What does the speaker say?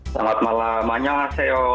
selamat malam anjang haseo